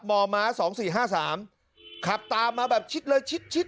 บ่อม้าสองสี่ห้าสามขับตามมาแบบชิดเลยชิดชิด